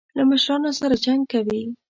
له مشرانو سره جنګ کوي.